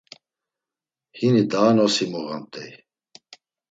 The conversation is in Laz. Hini daha nosi muğamt̆ey.